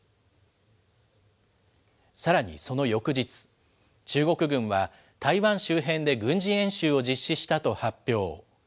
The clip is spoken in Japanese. さらにその翌日、中国軍は台湾周辺で軍事演習を実施したと発表。